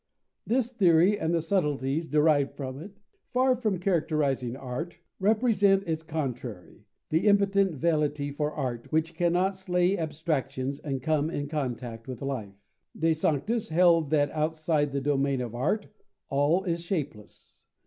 This theory and the subtleties derived from it, far from characterizing art, represent its contrary: the impotent velleity for art, which cannot slay abstractions and come in contact with life. De Sanctis held that outside the domain of art all Is shapeless.